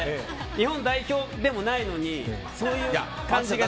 日本代表でもないのにそういう感じが。